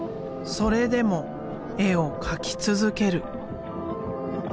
それでも絵を描き続ける。